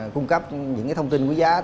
cung cấp những thông tin quý giá